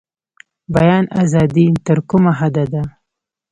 بیان ازادي تر کومه حده ده؟